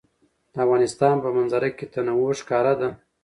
د افغانستان په منظره کې تنوع ښکاره ده.